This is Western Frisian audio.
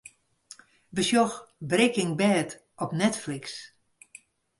Besjoch 'Breaking Bad' op Netflix.